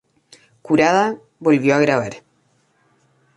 Curada, volvió a grabar.